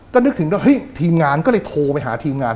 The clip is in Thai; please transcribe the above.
ก็นึกถึงว่าเฮ้ยทีมงานก็เลยโทรไปหาทีมงาน